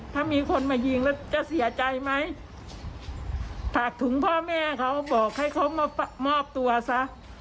ถ้ามีคนมายิงแล้วจะเสียใจไหมฝากถึงพ่อแม่เขาบอกให้เขามามอบตัวซะ